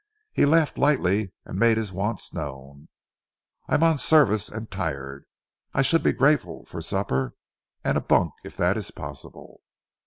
He laughed lightly, and made his wants known. "I'm on service, and tired. I should be grateful for supper and a bunk if that is possible."